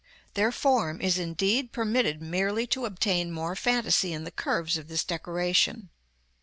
Their form is indeed permitted merely to obtain more fantasy in the curves of this decoration.